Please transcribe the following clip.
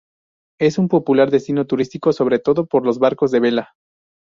Es un popular destino turístico, sobre todo por los barcos de vela.